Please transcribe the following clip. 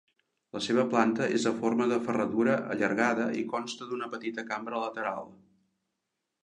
La seva planta és de forma de ferradura allargada i consta d'una petita cambra lateral.